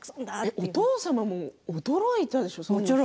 お父様も驚いたでしょう。